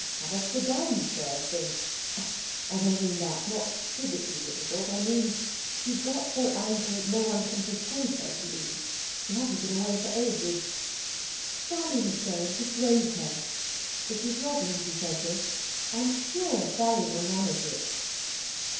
"Have a sedan chair thing " "I don't mean that not physically difficult. I mean she's got so anchored no one can persuade her to move. She hasn't been away for ages." "Sally must go and persuade her." It is Rosalind who says this. "I'm sure Sally will manage it."